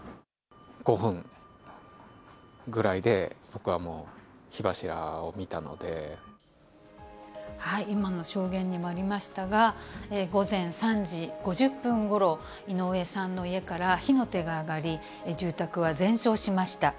５分ぐらいで僕はもう、今の証言にもありましたが、午前３時５０分ごろ、井上さんの家から火の手が上がり、住宅は全焼しました。